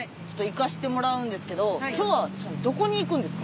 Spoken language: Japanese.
行かしてもらうんですけど今日はどこに行くんですか？